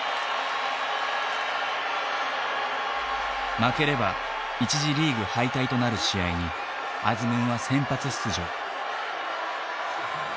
負ければ一次リーグ敗退となる試合にアズムンは先発出場。